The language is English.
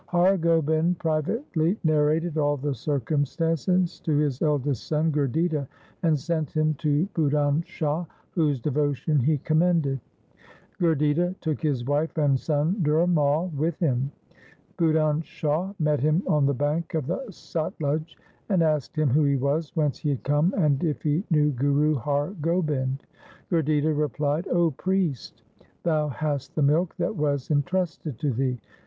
142 THE SIKH RELIGION Har Gobind privately narrated all the circum stances to his eldest son Gurditta, and sent him to Budhan Shah, whose devotion he commended. Gurditta took his wife and son Dhirmal with him. Budhan Shah met him on the bank of the Satluj, and asked him who he was, whence he had come, and if he knew Guru Har Gobind. Gurditta replied, ' O priest, thou hast the milk that was entrusted to thee.